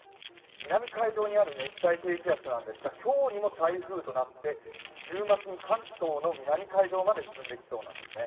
南海上にある熱帯低気圧なんですが、今日にも台風となって週末に関東の南海上まで進んできそうなんですね。